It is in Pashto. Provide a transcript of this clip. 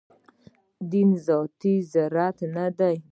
دین ذاتاً زراعتي نه دی.